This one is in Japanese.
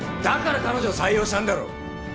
だから彼女を採用したんだろ。